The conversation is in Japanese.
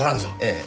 ええ。